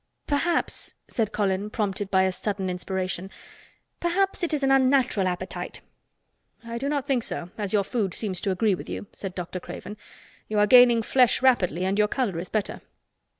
"Perhaps," said Colin, prompted by a sudden inspiration, "perhaps it is an unnatural appetite." "I do not think so, as your food seems to agree with you," said Dr. Craven. "You are gaining flesh rapidly and your color is better."